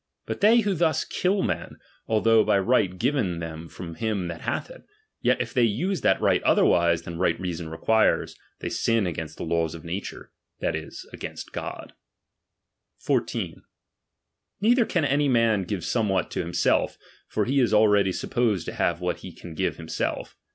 But they who thus kill men, although by right given them from him that hath it, yet if they use that right other wise than right reason requires, they sin against the laws of nature, that is, against God. 14. Neither can any man give somewhat to ti himself ; for he is already supposed to have what ub he can give himself.